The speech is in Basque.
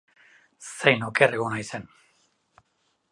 Zein oker egon naizen!